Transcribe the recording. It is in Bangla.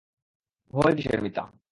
ভয় কিসের মিতা।